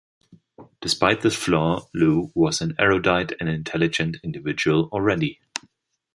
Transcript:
Despite this flaw, Lou was an erudite and intelligent individual already.